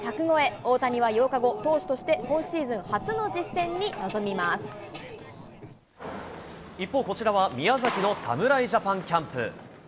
大谷は８日後、投手として今シー一方、こちらは宮崎の侍ジャパンキャンプ。